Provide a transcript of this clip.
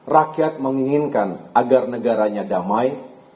rakyat menginginkan agar negaranya damai